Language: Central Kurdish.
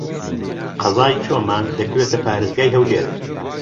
قەزای چۆمان دەکەوێتە پارێزگای هەولێر.